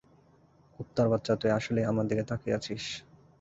কুত্তারবাচ্চা তুই আসলেই আমার দিকে তাকিয়ে আছিস?